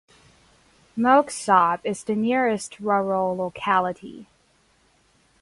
Moksob is the nearest rural locality.